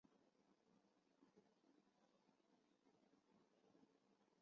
圣儒利安堂是意大利北部城市里米尼一座文艺复兴风格的罗马天主教教堂。